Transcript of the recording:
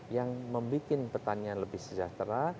yang membuat petanian lebih sejahtera